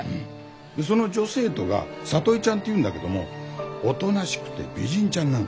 でその女生徒が里江ちゃんっていうんだけどもおとなしくて美人ちゃんなの。